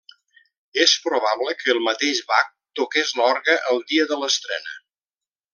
És probable que el mateix Bach toqués l'orgue el dia de l'estrena.